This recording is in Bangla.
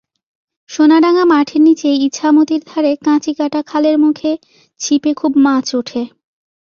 সোনাডাঙা মাঠের নিচে ইছামতীর ধারে কাঁচিকাটা খালের মুখে ছিপে খুব মাছ ওঠে।